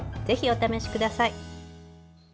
ぜひお試しください。